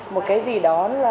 một cái gì đó là